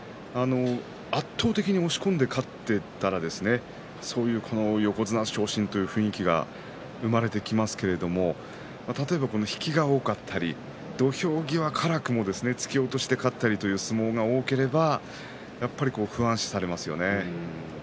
圧倒的に押し込んで勝っていったら横綱昇進という雰囲気が生まれてきますけれど例えば引きが多かったり土俵際、辛くも突き落としで勝ったりという相撲が多ければやっぱり不安視されますよね。